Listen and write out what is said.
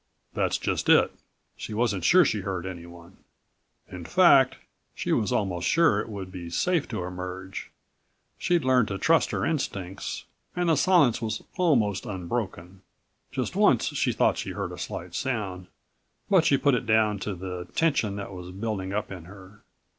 "That's just it. She wasn't sure she heard anyone. In fact, she was almost sure it would be safe to emerge. She'd learned to trust her instincts, and the silence was almost unbroken. Just once she thought she heard a slight sound, but she put it down to the tension that was building up in her.